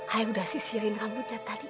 ayo udah sisirin rambutnya tadi